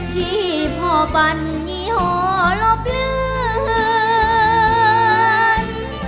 ที่พ่อปัญญี่หอหลบเลือน